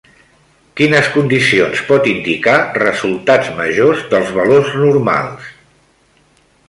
Quines condicions pot indicar resultats majors dels valors normals?